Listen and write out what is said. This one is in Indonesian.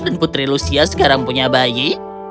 dan putri lucia sekarang punya bayi